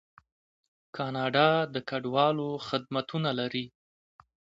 کاناډا د کډوالو خدمتونه لري.